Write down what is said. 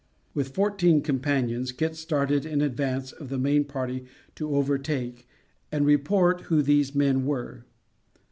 With fourteen companions Kit started in advance of the main party to overtake, and report who these men were.